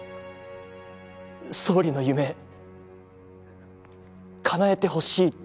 総理の夢かなえてほしいって。